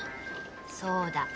そうだ。